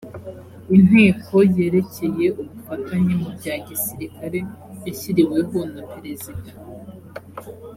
inteko yerekeye ubufatanye mu bya gisirikare yashyiriweho na perezida